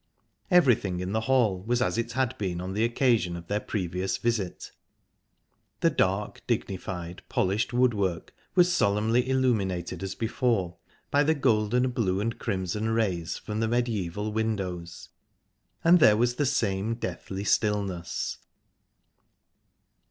Everything in the hall was as it had been on the occasion of their previous visit. The dark, dignified, polished woodwork was solemnly illuminated as before, by the golden, blue and crimson rays from the mediaeval windows, and there was the same deathly stillness.